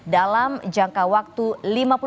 dalam jangkaan tahun dua puluh tahun